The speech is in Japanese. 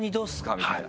みたいな。